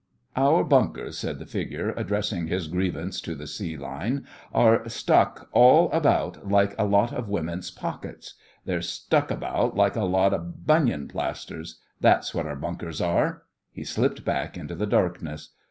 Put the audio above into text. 'Our bunkers,' said the figure, addressing his grievance to the sea line, 'are stuck all about like a lot o' women's pockets. They're stuck about like a lot o' bunion plasters. That's what our bunkers are.' He slipped back into the darkness.